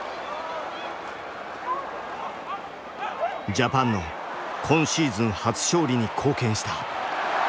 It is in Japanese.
ジャパンの今シーズン初勝利に貢献した。